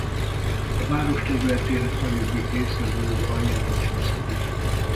A város területének nagyobbik része a völgy aljában helyezkedik el.